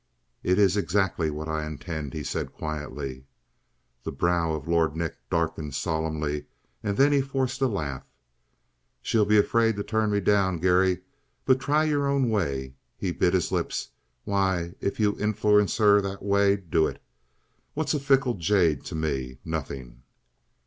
"It is exactly what I intend," he said quietly. The brow of Lord Nick darkened solemnly, and then he forced a laugh. "She'll be afraid to turn me down, Garry. But try your own way." He bit his lips. "Why, if you influence her that way do it. What's a fickle jade to me? Nothing!"